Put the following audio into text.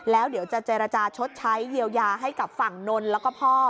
แล้วเดี๋ยวจะเจรจาชดใช้เยียวยาให้กับฝั่งนนท์แล้วก็พ่อ